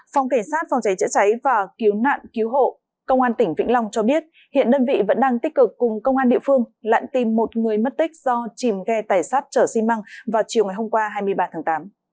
phòng cảnh sát phòng cháy chữa cháy và cứu nạn cứu hộ công an tỉnh vĩnh long cho biết hiện đơn vị vẫn đang tích cực cùng công an địa phương lặn tìm một người mất tích do chìm ghe tài sát chở xi măng vào chiều ngày hôm qua hai mươi ba tháng tám